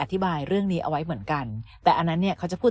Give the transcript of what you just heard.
อธิบายเรื่องนี้เอาไว้เหมือนกันแต่อันนั้นเนี่ยเขาจะพูด